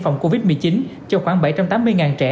phòng covid một mươi chín cho khoảng bảy trăm tám mươi trẻ